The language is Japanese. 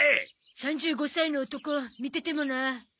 ３５歳の男見ててもなあ。